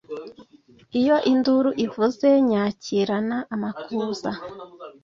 Iyo induru ivuze nyakirana amakuza.